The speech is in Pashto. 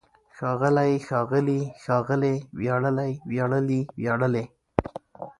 ښاغلی، ښاغلي، ښاغلې! وياړلی، وياړلي، وياړلې!